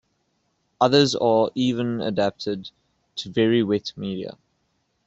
Others are even adapted to very wet media.